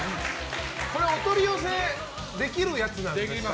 これはお取り寄せできるやつなんですかね。